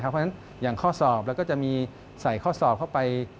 เพราะฉะนั้นอย่างข้อสอบเราก็จะมีใส่ข้อสอบเข้าไป